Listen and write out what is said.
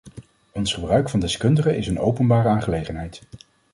Ons gebruik van deskundigen is een openbare aangelegenheid.